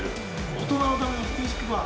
◆大人のためのミュージックバー。